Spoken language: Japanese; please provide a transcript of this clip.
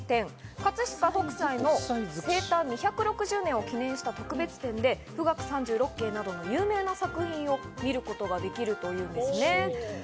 葛飾北斎の生誕２６０年を記念した特別展で『富嶽三十六景』などの有名な作品を見ることができるんですね。